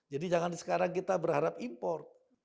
jadi jangan sekarang kita berharap import